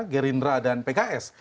gerindra dan pks